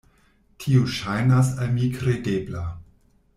Tio ŝajnas al mi kredebla.